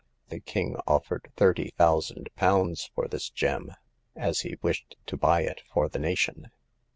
The King offered thirty thousand pounds for this gem, as he wished to buy it for the nation.